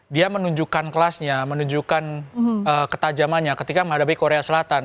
dia menunjukkan kelasnya menunjukkan ketajamannya ketika menghadapi korea selatan